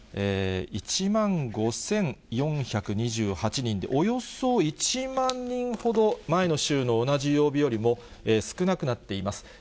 １万５４２８人で、およそ１万人ほど、前の週の同じ曜日よりも少なくなっています。